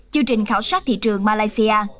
chương trình khảo sát thị trường malaysia